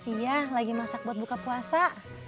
iya lagi masak buat buka puasa